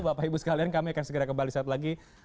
bapak ibu sekalian kami akan segera kembali saat lagi